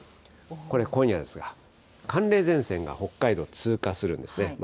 これ、今夜ですが、寒冷前線が北海道を通過するんですね。